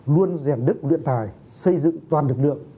luôn rèn đức luyện tài xây dựng toàn lực lượng